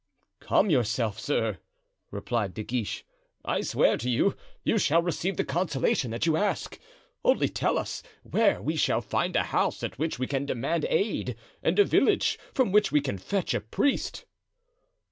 "Calm yourself, sir," replied De Guiche. "I swear to you, you shall receive the consolation that you ask. Only tell us where we shall find a house at which we can demand aid and a village from which we can fetch a priest."